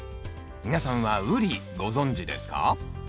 皆さんはウリご存じですか？